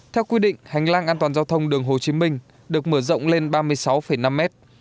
theo quy định hành lang an toàn giao thông đường hồ chí minh được mở rộng lên ba mươi sáu năm mét